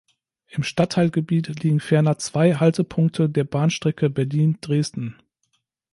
Im Stadtteilgebiet liegen ferner zwei Haltepunkte der Bahnstrecke Berlin–Dresden.